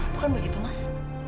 bukan begitu mas